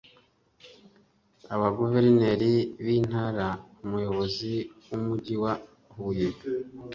abaguverineri b intara umuyobozi w umujyi wa huye